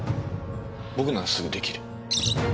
僕ならすぐできる。